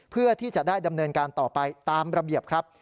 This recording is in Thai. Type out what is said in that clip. เพื่อที่จะได้ดำเนินการต่อไปตามระเบียบครับ